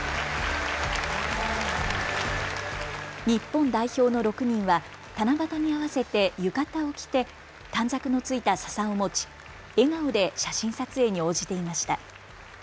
日本代表の６人は七夕に合わせて浴衣を着て短冊の付いたささを持ち、笑顔で写真撮影に応じていました。